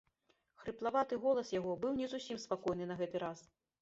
Хрыплаваты голас яго быў не зусім спакойны на гэты раз.